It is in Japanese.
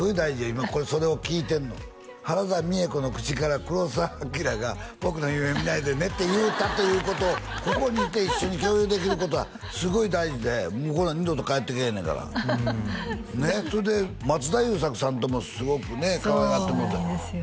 今それを聞いてんの原田美枝子の口から黒澤明が「僕の夢見ないでね」って言うたということをここにいて一緒に共有できることはすごい大事でもうこれは二度と返ってけえへんねんからねっそれで松田優作さんともすごくねかわいがってもろうてそうなんですよ